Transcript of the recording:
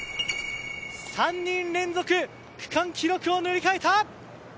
３年連続区間記録を塗り替えた。